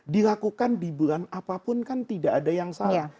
dilakukan di bulan apapun kan tidak ada yang salah